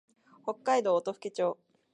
北海道音更町